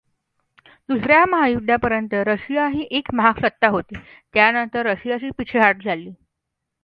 दुसर् या महायुद्धापर्यंत रशिया ही एक महासत्ता होती, त्यानंतर रशियाची पीछेहाट झाली.